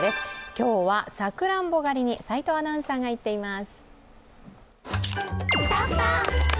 今日はさくらんぼ狩りに齋藤アナウンサーが行っています。